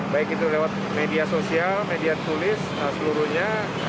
baik itu lewat media sosial media tulis seluruhnya